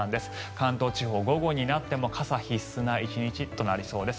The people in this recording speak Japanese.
関東地方、午後になっても傘必須な１日となりそうです。